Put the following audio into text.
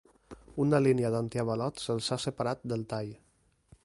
Una línia d’antiavalots els ha separat del tall.